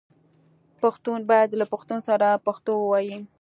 پښتون باید له پښتون سره پښتو ووايي